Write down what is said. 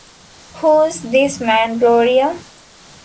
Who's this man, Gloria?